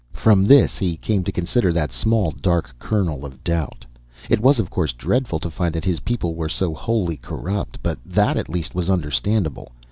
From this, he came to consider that small dark kernel of doubt. It was of course dreadful to find that his people were so wholly corrupt, but that at least was understandable.